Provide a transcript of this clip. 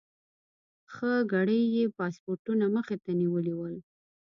ښه ګړی یې پاسپورټونه مخې ته نیولي ول.